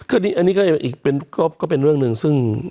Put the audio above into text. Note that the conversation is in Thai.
อันนี้ก็อีกก็เป็นเรื่องหนึ่งซึ่ง